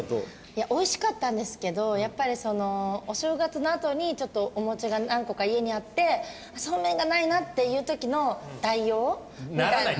いや美味しかったんですけどやっぱりそのお正月のあとにちょっとおもちが何個か家にあってそうめんがないなっていう時の代用みたい。